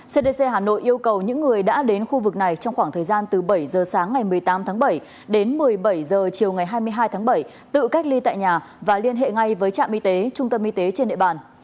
cdc hà nội yêu cầu những người đã đến khu vực này trong khoảng thời gian từ bảy giờ sáng ngày một mươi tám tháng bảy đến một mươi bảy h chiều ngày hai mươi hai tháng bảy tự cách ly tại nhà và liên hệ ngay với trạm y tế trung tâm y tế trên địa bàn